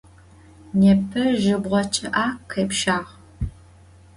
Nêpe jıbğe ççı'e khêpşağ.